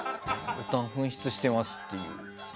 ボタンを紛失してますっていう。